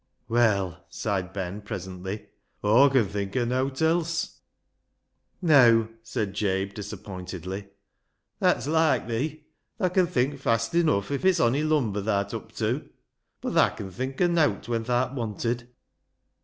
" Well," sighed Ben presently, " Aw con think o' nowt else." "Neaw," said Jabe disappointedly, "that's loike thee. Thaa con think fast enough if it's ony lumber tha'rt up tew. Bud thaa con think o' nowt when tha'rt wanted."